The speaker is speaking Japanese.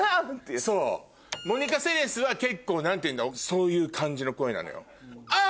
そうモニカ・セレシュは結構何ていうんだろうそういう感じの声なのよ。